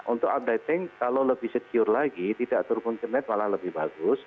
untuk updating kalau lebih secure lagi tidak terhubung ke internet walau lebih bagus